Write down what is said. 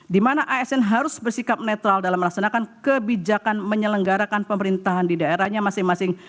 di mana asn harus bersikap netral dalam melaksanakan kebijakan menyelenggarakan pemerintahan di daerahnya masing masing